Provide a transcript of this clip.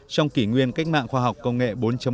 trong kỷ nguyên cách mạng khoa học công nghệ bốn